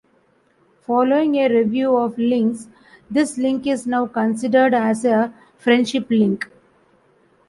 Following a review of links this link is now considered as a friendship link.